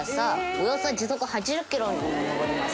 およそ時速８０キロにも上ります。